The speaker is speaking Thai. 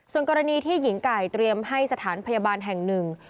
ส่วนกรณีที่หญิงไก่เตรียมให้สถานพยาบาลแห่งหนึ่ง